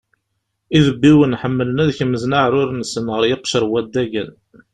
Idebbiwen ḥemmlen ad kemzen aεrur-nsen ɣer yiqcer n waddagen.